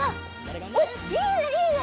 おっいいねいいね！